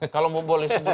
kalau mau boleh sebutin